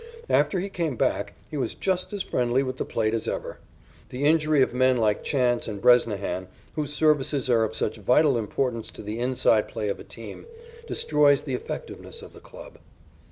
After he came back, he was just as friendly with the plate as ever. The injury of men like Chance and Bresnahan, whose services are of such vital importance to the "inside" play of a team, destroys the effectiveness of the club.